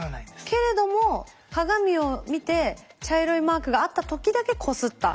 けれども鏡を見て茶色いマークがあった時だけこすった。